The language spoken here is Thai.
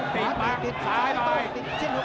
ติดปากฝายไปไม่อยาก